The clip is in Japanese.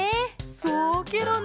そうケロね。